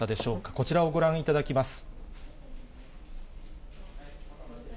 こちらをご覧いただきます。